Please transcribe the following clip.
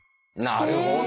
なるほど。